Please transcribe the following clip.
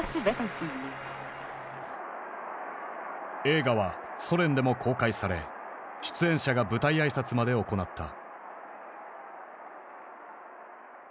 映画はソ連でも公開され出演者が舞台挨拶まで行った。